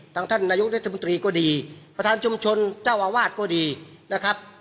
ท่านนายกรัฐมนตรีก็ดีประธานชุมชนเจ้าอาวาสก็ดีนะครับ